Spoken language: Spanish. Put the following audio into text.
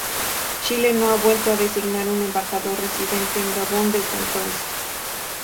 Chile no ha vuelto a designar un embajador residente en Gabón desde entonces.